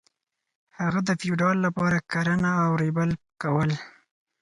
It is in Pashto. هغه د فیوډال لپاره کرنه او ریبل کول.